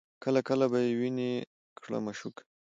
کله کله به یې ویني کړه مشوکه